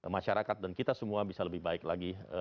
masyarakat dan kita semua bisa lebih baik lagi